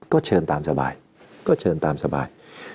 ก็เชิญตามสบายก็เชิญตามสบาย